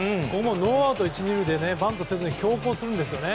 ノーアウト１、２塁でバントせずに強行するんですよね。